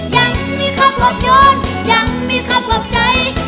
ยังมีครับหวบโยนยังมีครับหวบใจ